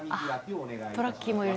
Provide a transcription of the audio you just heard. トラッキーもいる。